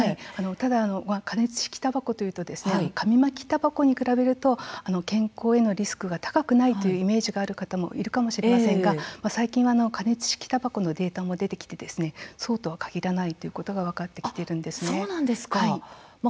ただ加熱式たばこというと紙巻きたばこに比べると健康へのリスクが高くないというイメージがある方もいるかもしれませんが、最近は加熱式たばこのデータも出てきてそうとは限らないということが分かってきているんですね。